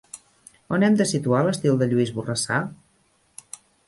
On hem de situar l'estil de Lluís Borrassà?